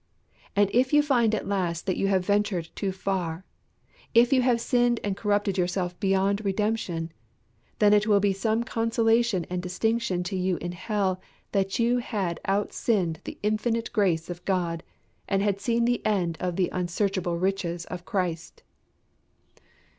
And if you find at last that you have ventured too far if you have sinned and corrupted yourself beyond redemption then it will be some consolation and distinction to you in hell that you had out sinned the infinite grace of God, and had seen the end of the unsearchable riches of Christ.